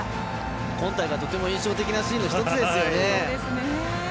今大会、とても印象的なシーンの１つですよね。